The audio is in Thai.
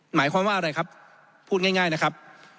หมายความว่าอะไรครับพูดง่ายนะครับ